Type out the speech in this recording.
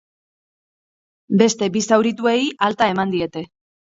Beste bi zaurituei alta eman diete.